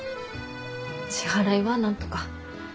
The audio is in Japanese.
支払いはなんとか。